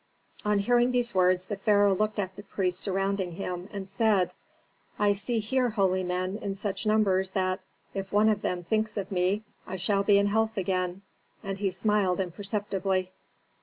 On hearing these words the pharaoh looked at the priests surrounding him, and said, "I see here holy men in such numbers that, if one of them thinks of me, I shall be in health again." And he smiled imperceptibly.